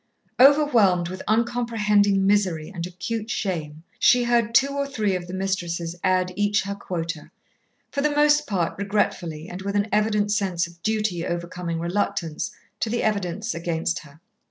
Overwhelmed with uncomprehending misery and acute shame, she heard two or three of the mistresses add each her quota, for the most part regretfully and with an evident sense of duty overcoming reluctance, to the evidence against her.